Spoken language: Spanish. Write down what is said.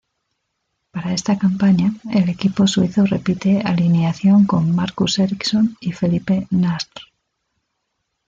Para esta campaña, el equipo suizo repite alineación con Marcus Ericsson y Felipe Nasr.